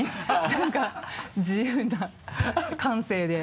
何か自由な感性で。